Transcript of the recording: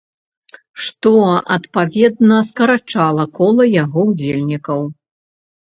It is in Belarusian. Што, адпаведна, скарачае кола яго ўдзельнікаў.